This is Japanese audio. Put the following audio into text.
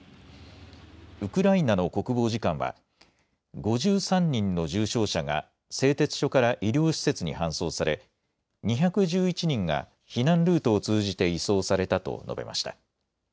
ウクライナの国防次官は５３人の重傷者が製鉄所から医療施設に搬送され２１１人が避難ルートを通じて移送されたと述べました。